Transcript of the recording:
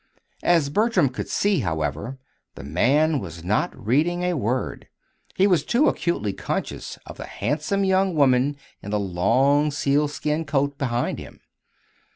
As Bertram could see, however, the man was not reading a word he was too acutely conscious of the handsome young woman in the long sealskin coat behind him.